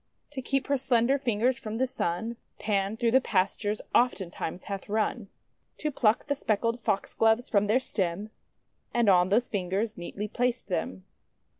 To keep her slender fingers from the Sun, Pan through the pastures oftentimes hath run, to pluck the speckled Foxgloves from their stem, and on those fingers neatly placed them.